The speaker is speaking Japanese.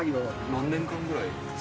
何年間ぐらい？